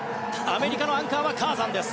アメリカのアンカーはカーザンです。